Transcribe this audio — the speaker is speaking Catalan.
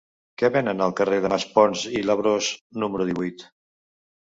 Què venen al carrer de Maspons i Labrós número divuit?